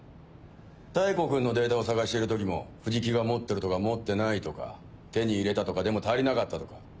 妙子君のデータを探している時も藤木が持ってるとか持ってないとか手に入れたとかでも足りなかったとか。